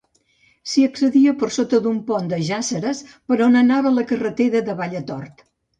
S'hi accedia per sota d'un pont de jàsseres per on anava la carretera de Valletort.